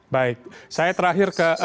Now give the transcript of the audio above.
baik saya terakhir ke